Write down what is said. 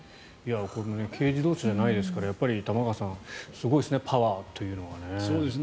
軽自動車じゃないですから玉川さんすごいですねパワーというのは。